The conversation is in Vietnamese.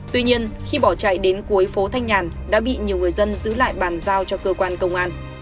tuy nhiên khi bỏ chạy đến cuối phố thanh nhàn đã bị nhiều người dân giữ lại bàn giao cho cơ quan công an